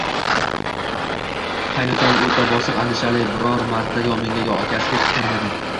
Qaynukam o`ta bosiq, andishali, biror marta yo menga, yo akasiga tik qaramagan